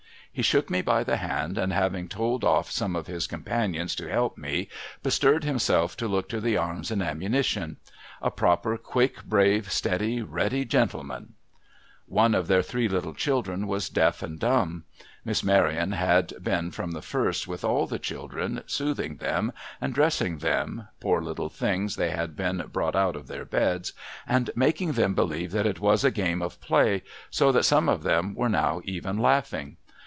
He shook me by the hand, and having told off some of his companions to help me, bestirred himself to look to the arms and ammunition. A proper quick, brave, steady, ready gentleman ! One of their three little children was deaf and dumb. Miss Maryon had been from the first with all the children, soothing them, and dressing them (poor little things, they had been brought out of their beds), and making them believe that it was a game of play, so that some of them were now even laughing.